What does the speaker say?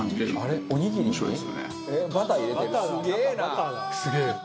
「すげえ」